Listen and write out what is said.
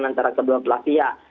antara kedua belah pihak